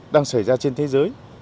đang xảy ra trên thế giới